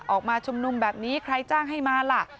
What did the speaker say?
ออกมาชุมนุมแบบนี้ใครจ้างให้มาล่ะ